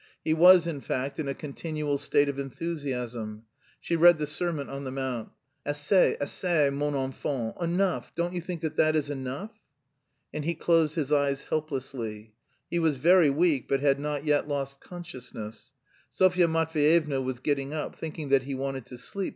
He was, in fact, in a continual state of enthusiasm. She read the Sermon on the Mount. "Assez, assez, mon enfant, enough.... Don't you think that that is enough?" And he closed his eyes helplessly. He was very weak, but had not yet lost consciousness. Sofya Matveyevna was getting up, thinking that he wanted to sleep.